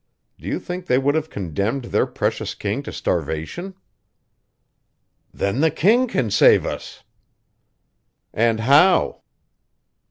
Do you think they would have condemned their precious king to starvation?" "Then the king can save us!" "And how?"